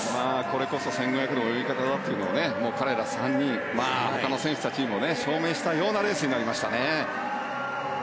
これこそ１５００の泳ぎ方だっていうのを彼ら３人ほかの選手たちにも証明したようなレースになりましたね。